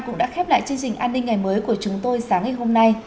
cũng đã khép lại chương trình an ninh ngày mới của chúng tôi sáng ngày hôm nay